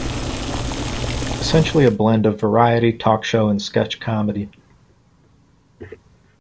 Essentially a blend of variety, talk show, and sketch comedy.